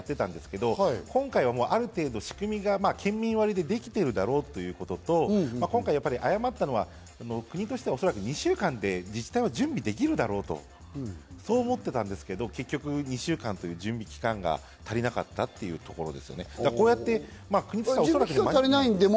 結果的には割引が効くという形でやってたんですけど、今回はある程度仕組みが県民割でできているだろうということと、今回、あやまったのは国としてはおそらく２週間で自治体は準備できるだろうと、そう思ってたんですけれども、結局２週間の準備期間は足りなかったというところですよね。